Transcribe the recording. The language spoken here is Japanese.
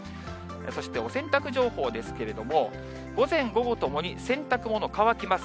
そしてお洗濯情報ですけれども、午前、午後ともに洗濯物乾きます。